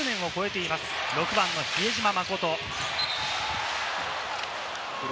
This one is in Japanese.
代表歴１０年を超えています、６番の比江島慎。